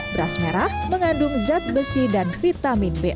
beras merah mengandung zat besi dan vitamin b